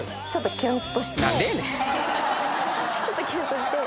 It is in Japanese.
ちょっとキュンとして。